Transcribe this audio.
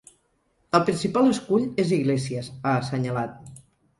El principal escull és Iglesias, ha assenyalat.